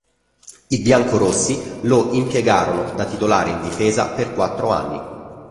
I biancorossi lo impiegarono da titolare in difesa per quattro anni.